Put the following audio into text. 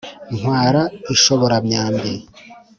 Ntwara inshoboramyambi.